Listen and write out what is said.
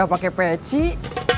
kamu mau ikut pengajian